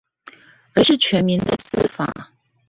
而是全民的司法